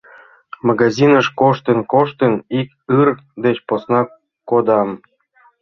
— «...Магазиныш коштын-коштын, ик ыр деч посна кодам...».